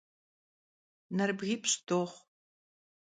Neribgipş' doxhu.